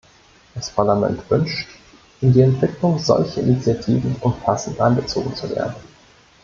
Das Parlament wünscht, in die Entwicklung solcher Initiativen umfassend einbezogen zu werden.